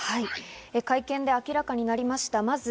会見で明らかになりました。